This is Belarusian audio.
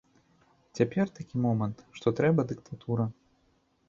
Цяпер такі момант, што трэба дыктатура.